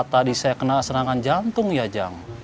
apa tadi saya kena serangan jantung ya jang